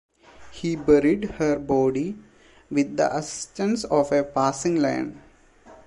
He buried her body with the assistance of a passing lion.